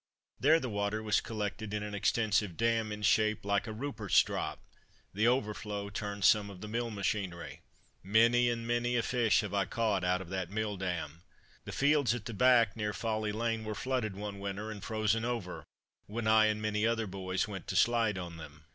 There the water was collected in an extensive dam, in shape like a "Ruperts' Drop," the overflow turned some of the mill machinery. Many and many a fish have I caught out of that mill dam. The fields at the back, near Folly lane, were flooded one winter, and frozen over, when I and many other boys went to slide on them.